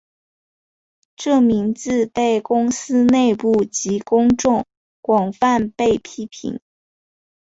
这名字被公司内部及公众广泛被批评。